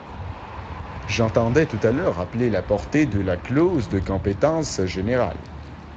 J’entendais, tout à l’heure, rappeler la portée de la clause de compétence générale.